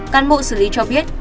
cán bộ xử lý cho biết